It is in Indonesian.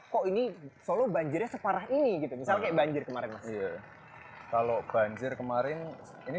kok ini solo banjirnya separah ini gitu misalnya kayak banjir kemarin mas kalau banjir kemarin ini